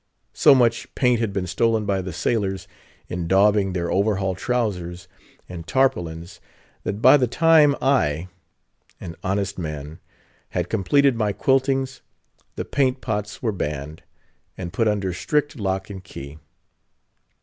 So much paint had been stolen by the sailors, in daubing their overhaul trowsers and tarpaulins, that by the time I—an honest man—had completed my quiltings, the paint pots were banned, and put under strict lock and key.